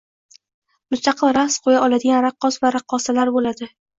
mustaqil raqs qo‘ya oladigan raqqos va raqqosalar bo‘ladi.